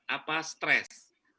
ada rasa takut sebagian